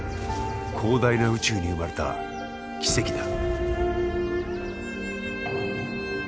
広大な宇宙に生まれた奇跡だ。